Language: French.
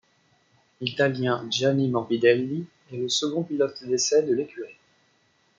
L'Italien Gianni Morbidelli est le second pilote d'essais de l'écurie.